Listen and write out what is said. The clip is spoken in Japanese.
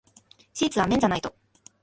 シーツは綿じゃないと。